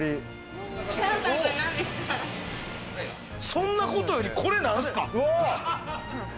そんなことより、これ何すか？